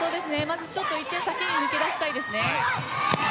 少し１点先に抜け出したいですね。